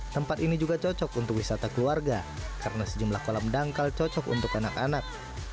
tempat ini juga cocok untuk wisata keluarga karena sejumlah kolam dangkal cocok untuk anak anak